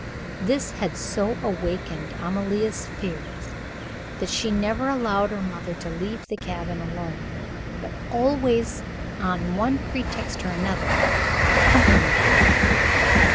This had so awakened Amalia's fears that she never allowed her mother to leave the cabin alone, but always on one pretext or another accompanied her.